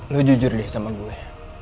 lo jujur deh sama gue